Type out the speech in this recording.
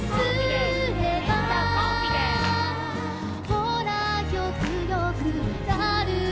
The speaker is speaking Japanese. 「ほらよくよくなるでしょ」